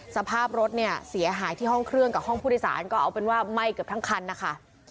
สภาพรถเนี่ยเสียหายที่ห้องเครื่องกับห้องผู้โดยสารก็เอาเป็นว่าไหม้เกือบทั้งคันนะคะ